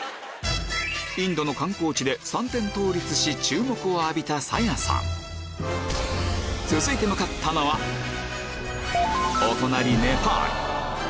インドの観光地で三点倒立し注目を浴びたさやさん続いて向かったのはお隣